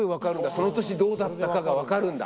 その年どうだったかが分かるんだ。